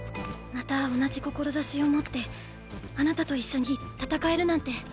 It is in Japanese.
また同じ志を持ってあなたと一緒に戦えるなんて。